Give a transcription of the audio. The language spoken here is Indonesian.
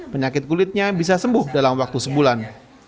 penyakit kulitnya bisa sembuh dalam waktu sebulan